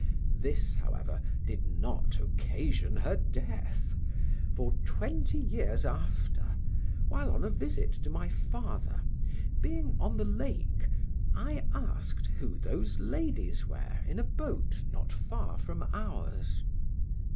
This, however, did not occasion her death, for twenty years after, while on a visit to my father, being on the lake, I asked who those ladies were in a boat not far from ours.